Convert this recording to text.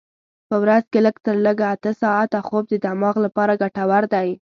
په ورځ کې لږ تر لږه اته ساعته خوب د دماغ لپاره ګټور دی.